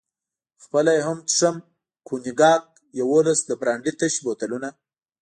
خپله یې هم څښم، کونیګاک، یوولس د برانډي تش بوتلونه.